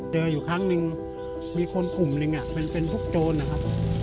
อยู่ครั้งหนึ่งมีคนกลุ่มหนึ่งเป็นพวกโจรนะครับ